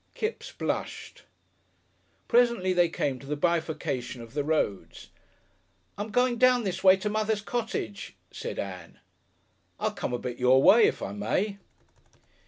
Kipps blushed.... Presently they came to the bifurcation of the roads. "I'm going down this way to mother's cottage," said Ann. "I'll come a bit your way if I may."